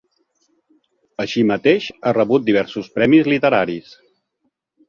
Així mateix ha rebut diversos premis literaris.